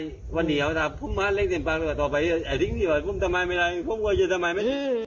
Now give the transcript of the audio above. ต่อไปอาทิตย์อย่างนี้เคยบอกว่าไม่ได้ผมกอเย็นทำแม่